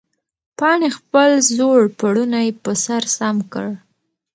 پاڼې خپل زوړ پړونی په سر سم کړ.